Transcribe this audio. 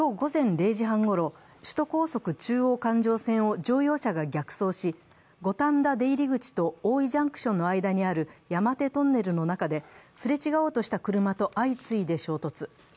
今日午前０時半ごろ、首都高速・中央環状線を乗用車が逆走し五反田出入り口と大井ジャンクションの間にある山手トンネルの中で、すれ違おうとした車と相次いで衝突。